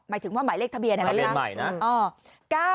หมายถึงว่าหมายเลขทะเบียนอะไรล่ะ